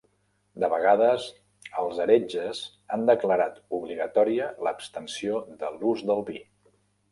De vegades, els heretges han declarat obligatòria l'abstenció de l'ús del vi.